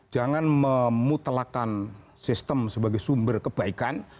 jangan memutelakan sistem sebagai sumber kebaikan